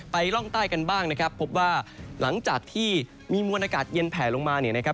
ไปร่องใต้กันบ้างนะครับพบว่าหลังจากที่มีมวลอากาศเย็นแผลลงมา